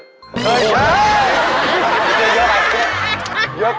ถ่ายแบบ